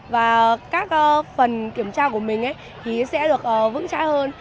và các phần kiểm tra của mình thì sẽ được vững trãi hơn